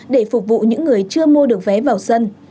để phục vụ những người chưa mua được vé vào sân